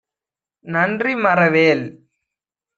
நன்றி மறவேல்.